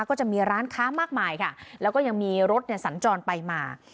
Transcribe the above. ก็จะมีร้านค้ามากมายค่ะแล้วก็ยังมีรถสัญจรไปมา